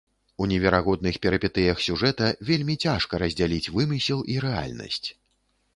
У неверагодных перыпетыях сюжэта вельмі цяжка раздзяліць вымысел і рэальнасць.